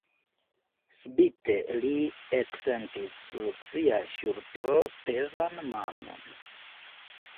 Subite li eksentis sur sia ŝultro pezan manon.